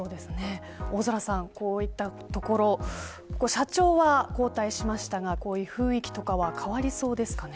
大空さん、こういったところ社長は交代しましたがこういった雰囲気とかは変わりそうですかね。